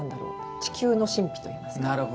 地球の神秘といいますか。